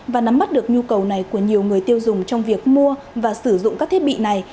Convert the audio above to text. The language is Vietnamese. và nắm bắt được nhu cầu này của nhiều người tiêu dùng trong việc mua và sử dụng các thiết bị này